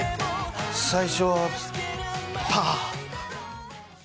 最初はパー。